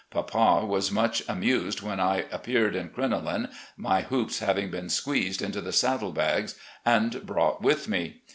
Papa was much amused when I appeared in crinoline, my 'hoops' having been squeezed into the saddle bags and brought with me.